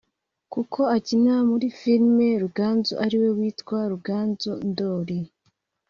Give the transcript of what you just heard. kuko akina muri Filime Ruganzu ari we witwa Ruganzu Ndori